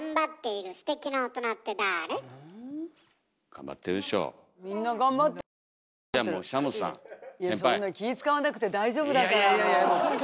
いやそんな気遣わなくて大丈夫だからもう。